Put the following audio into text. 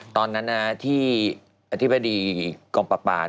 ตอนนั้นที่อธิบดีกรมประปา